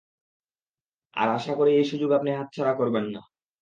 আর আশা করি এই সুযোগ আপনি হাতছাড়া করবেন না।